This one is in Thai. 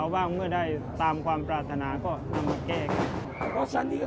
บางคนก็มาเก้บุญ